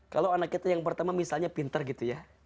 kalau anak kita yang pertama misalnya pinter gitu ya